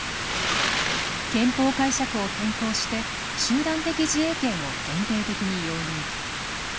憲法解釈を変更して、集団的自衛権を限定的に容認。